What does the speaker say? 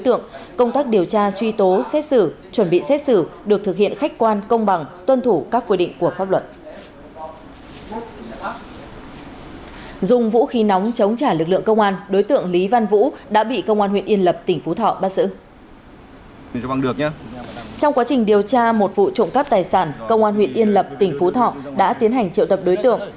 trong tình điều tra một vụ trộm cắp tài sản công an huyện yên lập tỉnh phú thọ đã tiến hành triệu tập đối tượng